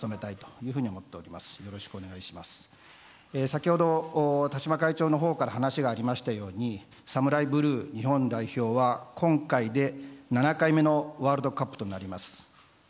先ほど田嶋会長のほうから話がありましたようにサムライブルー日本代表は今回で７回目のワールドカップとなります。